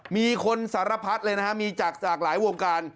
มีคนสารพัดเลยนะฮะมีจากหลายวงการ